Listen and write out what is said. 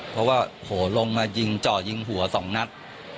เพราะว่าโหลงมาจ่อยิงหัวสองนัส